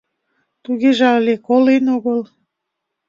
Тугеже але колен огыл.